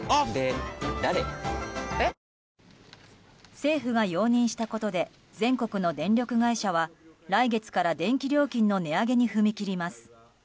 政府が容認したことで全国の電力会社は来月から電気料金の値上げに踏み切ります。